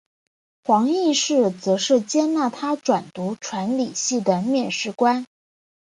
黄应士则是接纳他转读传理系的面试官。